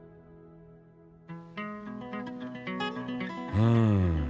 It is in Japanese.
うん。